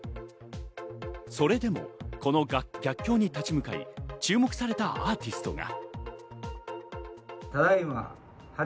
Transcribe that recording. それでもこの逆境に立ち向かい、注目されたアーティストが。